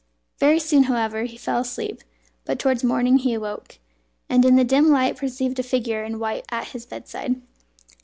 Very soon, however, he fell asleep; but towards morning he awoke, and in the dim light perceived a figure in white at his bedside.